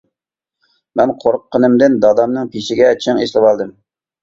مەن قورققىنىمدىن دادامنىڭ پېشىگە چىڭ ئېسىلىۋالدىم.